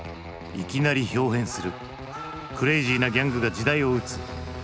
いきなりひょう変するクレージーなギャングが時代を撃つ。